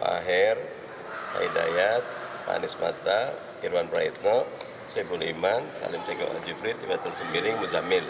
pak her pak hidayat pak anies mata irwan praetno sebul iman salim segoa jufri tiba tersebiring muzamil